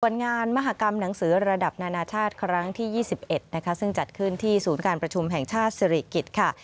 ส่วนงานมหากรรมหนังสือระดับนานาชาติครั้งที่๒๑นะคะซึ่งจัดขึ้นที่ศูนย์การประชุมแห่งชาติศิริกิจค่ะ